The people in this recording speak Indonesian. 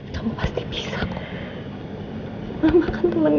kamu pasti bisa ma mama akan temeninmu